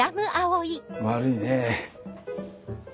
悪いねぇ。